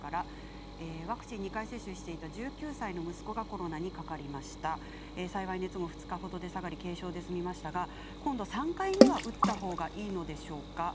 ワクチンを２回接種していた１９歳の息子がコロナにかかりました、熱も２日ほどで下がって軽症で済みましたが３回目は打ったほうがいいのでしょうか。